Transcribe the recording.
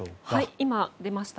今出ました。